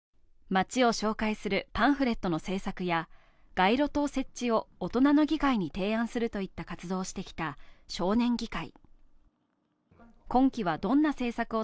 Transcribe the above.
町を紹介するパンフレットの制作や街路灯設置を大人の議会に提案するといった活動をしてきた少年議会。